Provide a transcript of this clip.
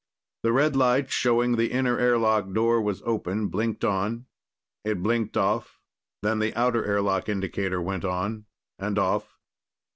The red light showing the inner airlock door was open blinked on. It blinked off, then the outer airlock indicator went on, and off.